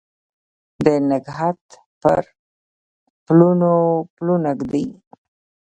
د نګهت پر پلونو پلونه ږدي